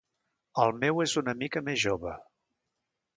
El meu és una mica més jove.